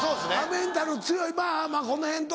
メンタル強いまぁこの辺と。